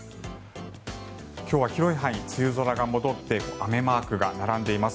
今日は広い範囲、梅雨空が戻って雨マークが並んでいます。